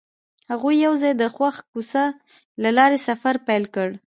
هغوی یوځای د خوښ کوڅه له لارې سفر پیل کړ.